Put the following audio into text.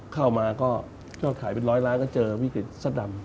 เข้ามาก็เที่ยวขายเป็นร้อยล้านก็เจอวิกฤตสัตว์ดำ